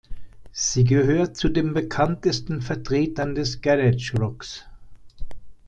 Sie gehört zu den bekanntesten Vertretern des Garage Rocks.